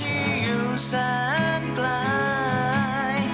ที่อยู่สานปลาย